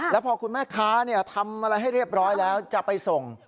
แล้วพอคุณแม่ค้าทำอะไรให้เรียบร้อยแล้วจะไปส่ง